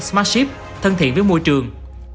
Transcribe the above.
smart ship thân thiện với môi trường